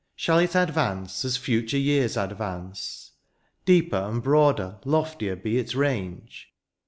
Shall it advance, as future years advance. Deeper, and broader, loftier be its range